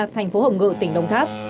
thành phố hồng ngự tỉnh đồng tháp